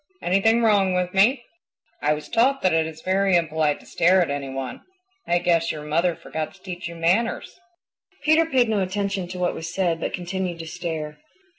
Anything wrong with me? I was taught that it is very impolite to stare at any one. I guess your mother forgot to teach you manners." Peter paid no attention to what was said but continued to stare.